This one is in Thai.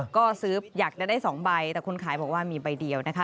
ก็ซื้ออยากจะได้๒ใบแต่คนขายบอกว่ามีใบเดียวนะคะ